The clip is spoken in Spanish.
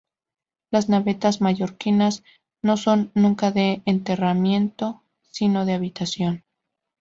Las navetas mallorquinas no son nunca de enterramiento, sino de habitación.